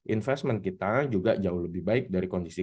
investmen kita juga jauh lebih baik dari kondisi konsumsi